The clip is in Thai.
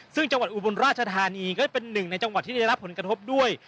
ซึ่งจังหวัดอุบลราชธานีก็เป็นหนึ่งในจังหวัดที่ได้รับผลกระทบด้วย